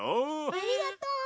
ありがとう！